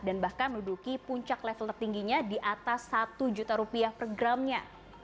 dan bahkan menduduki puncak level tertingginya di atas satu juta rupiah per gramnya